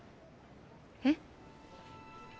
えっ？